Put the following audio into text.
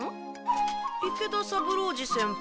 池田三郎次先輩